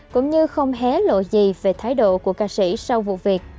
cũng như không hé lộ gì về thái độ của ca sĩ sau vụ việc